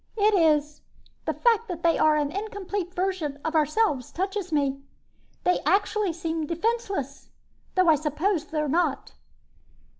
"It is. The fact that they are an incomplete version of ourselves touches me. They actually seem defenseless, though I suppose they're not."